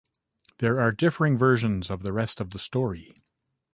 There are differing versions of the rest of the story.